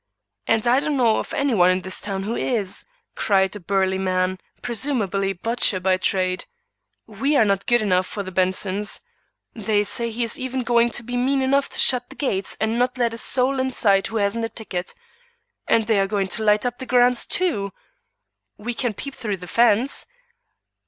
"And I don't know of any one in this town who is," cried a burly man, presumably a butcher by trade. "We are not good enough for the Bensons. They say he is even going to be mean enough to shut the gates and not let a soul inside who hasn't a ticket. And they are going to light up the grounds too!" "We can peep through the fence."